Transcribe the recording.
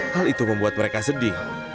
hal itu membuat mereka sedih